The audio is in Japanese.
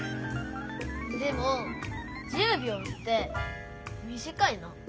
でも１０びょうってみじかいな。